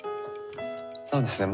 そうですね